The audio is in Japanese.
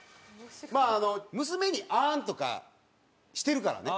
まああの娘に「あん」とかしてるからね。